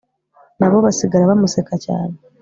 nabo basigara bamuseka cyane